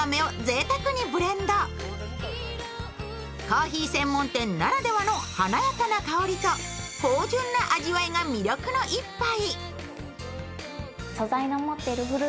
コーヒー専門店ならではの華やかな香りと芳じゅんな味わいが魅力の１杯。